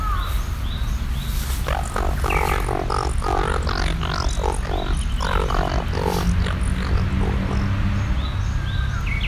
Constantine was engaged in military operations and was killed in an ambush outside Aquileia.